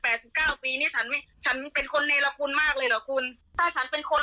สิบเก้าปีเนี้ยฉันไม่ฉันเป็นคนเนรคุณมากเลยเหรอคุณถ้าฉันเป็นคน